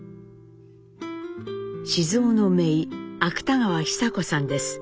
雄のめい芥川尚子さんです。